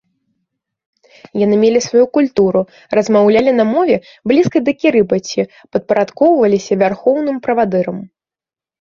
Яны мелі сваю культуру, размаўлялі на мове, блізкай да кірыбаці, падпарадкоўваліся вярхоўным правадырам.